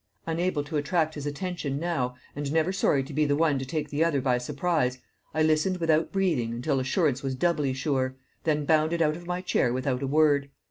Unable to attract his attention now, and never sorry to be the one to take the other by surprise, I listened without breathing until assurance was doubly sure, then bounded out of my chair without a word.